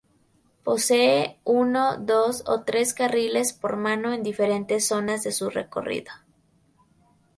Posee uno, dos o tres carriles por mano en diferentes zonas de su recorrido.